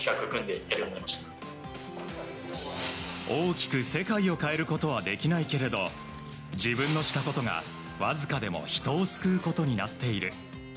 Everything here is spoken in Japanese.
大きく世界を変えることはできないけれど自分のしたことがわずかでも人を救うことになっている。